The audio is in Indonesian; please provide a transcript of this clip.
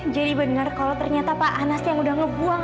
jadi bener kalau ternyata pak anas yang udah ngebuang